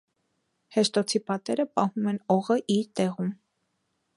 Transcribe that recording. Հեշտոցի պատերը պահում են օղը իր տեղում։